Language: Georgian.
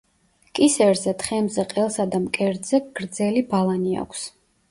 კისერზე, თხემზე, ყელსა და მკერდზე გრძელი ბალანი აქვს.